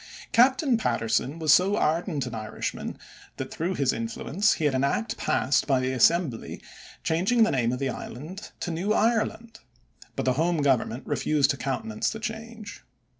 Captain Patterson was so ardent an Irishman that through his influence he had an act passed by the Assembly changing the name of the island to New Ireland, but the home Government refused to countenance the change.